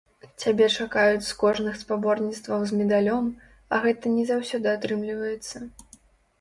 Цябе чакаюць з кожных спаборніцтваў з медалём, а гэта не заўсёды атрымліваецца.